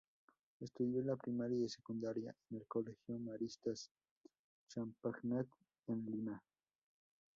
Estudio la primaria y secundaria en el Colegio Maristas Champagnat en Lima.